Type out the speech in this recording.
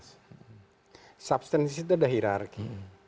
substance itu ada hirarki